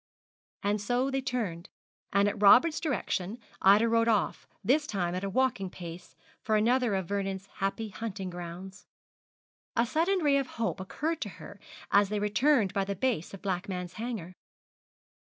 And so they turned, and at Robert's direction Ida rode off, this time at a walking pace, for another of Vernon's happy hunting grounds. A sudden ray of hope occurred to her as they returned by the base of Blackman's Hanger.